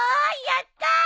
やったー！